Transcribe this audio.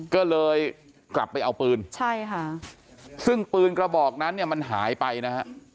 ก็เลยกลับไปเอาปืนใช่ค่ะซึ่งปืนกระบอกนั้นเนี่ยมันหายไปนะฮะ